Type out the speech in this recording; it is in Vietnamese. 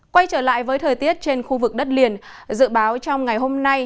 quay trở lại với thời tiết trên khu vực đất liền dự báo trong ngày hôm nay